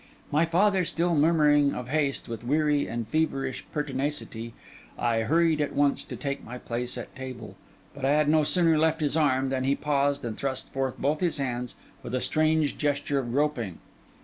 My father still murmuring of haste with weary and feverish pertinacity, I hurried at once to take my place at table; but I had no sooner left his arm than he paused and thrust forth both his hands with a strange gesture of groping.